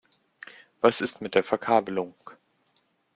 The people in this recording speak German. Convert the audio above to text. Was ist mit der Verkabelung?